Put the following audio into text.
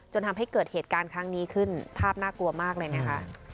ทำให้เกิดเหตุการณ์ครั้งนี้ขึ้นภาพน่ากลัวมากเลยนะคะ